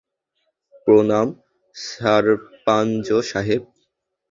প্রণাম, সারপাঞ্জ সাহেব।